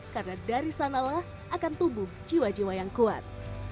karena dari sanalah akan tumbuh jiwa jiwa yang kuat